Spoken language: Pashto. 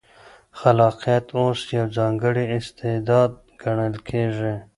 خلاقیت اوس یو ځانګړی استعداد ګڼل کېږي.